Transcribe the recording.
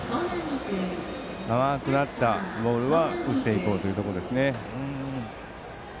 甘くなったボールは打っていこうということです。